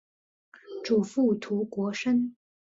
祖父涂国升。